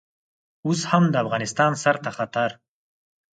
اوس هم د افغانستان سر ته خطر.